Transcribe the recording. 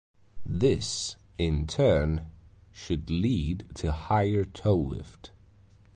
This, in turn, should lead to higher toe lift.